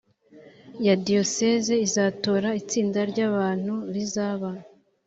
ya diyoseze izatora itsinda ry abantu rizaba